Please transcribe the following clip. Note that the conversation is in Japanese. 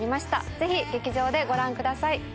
是非劇場でご覧ください